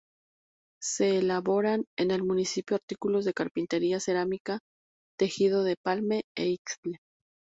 Se elaboran en el municipio artículos de carpintería, cerámica, tejido de palma e ixtle...